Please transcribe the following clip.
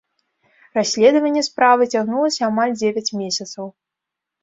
Расследаванне справы цягнулася амаль дзевяць месяцаў.